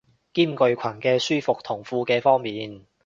兼具裙嘅舒服同褲嘅方便